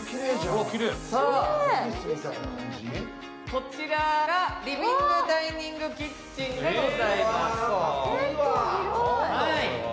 こちらがリビングダイニングキッチンでございます。